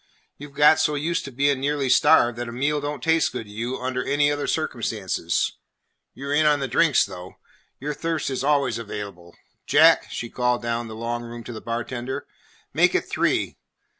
You 've got so used to being nearly starved that a meal don't taste good to you under any other circumstances. You 're in on the drinks, though. Your thirst is always available. Jack," she called down the long room to the bartender, "make it three.